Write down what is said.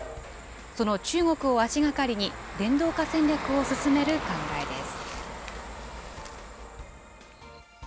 その中国を足がかりに、電動化戦略を進める考えです。